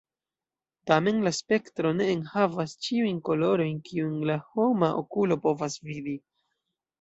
Tamen, la spektro ne enhavas ĉiujn kolorojn kiun la homa okulo povas vidi.